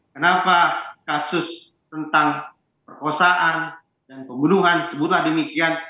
kenapa kasus tentang perkosaan dan pembunuhan sebutlah demikian